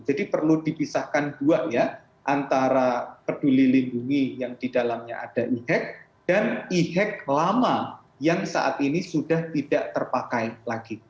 jadi perlu dipisahkan dua ya antara peduli lindungi yang didalamnya ada e hack dan e hack lama yang saat ini sudah tidak terpakai lagi